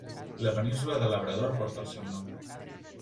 La península de Labrador porta el seu nom.